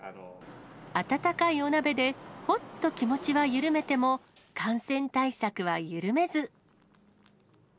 温かいお鍋でほっと気持ちは緩めても、感染対策は緩めず。